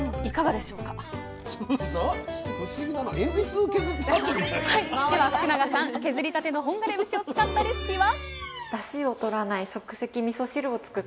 では福永さん削りたての本枯節を使ったレシピは？